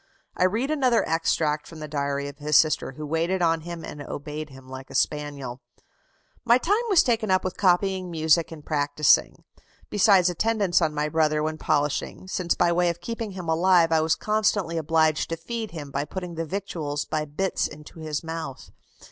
I read another extract from the diary of his sister, who waited on him and obeyed him like a spaniel: "My time was taken up with copying music and practising, besides attendance on my brother when polishing, since by way of keeping him alive I was constantly obliged to feed him by putting the victuals by bits into his mouth.